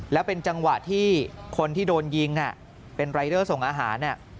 แล้วเป็นจังหวะที่คนที่โดนยิงเป็นรายเดอร์ส่งอาหาร